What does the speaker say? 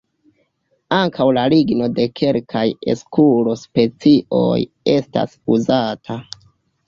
Ankaŭ la ligno de kelkaj "eskulo"-specioj estas uzata.